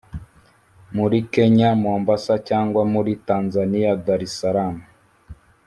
muri kenya (mombasa) cyangwa muli tanzaniya (dar es salaam)